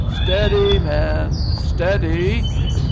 "Stead y, men stead y.